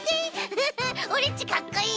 フフッオレっちかっこいい？